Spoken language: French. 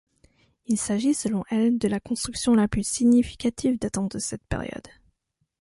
Il s'agit, selon elle, de la construction la plus significative datant de cette période.